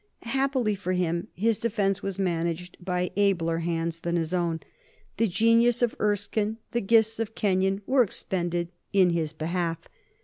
Happily for him, his defence was managed by abler hands than his own. The genius of Erskine, the gifts of Kenyon, were expended in his behalf.